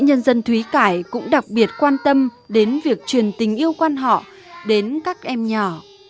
nhân dân thúy cải cũng đặc biệt quan tâm đến việc truyền tình yêu quan họ đến các em nhỏ